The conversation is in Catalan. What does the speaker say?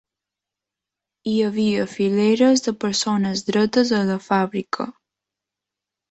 Hi havia fileres de persones dretes a la fàbrica.